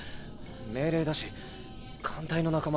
命令だし艦隊の仲間